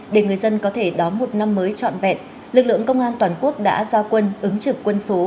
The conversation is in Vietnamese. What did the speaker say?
để người dân có thể đón một năm mới trọn vẹn lực lượng công an toàn quốc đã ra quân ứng trực quân số